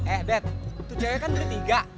eh bet tujuannya kan lebih tiga